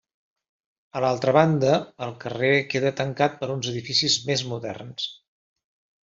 A l'altra banda, el carrer queda tancat per uns edificis més moderns.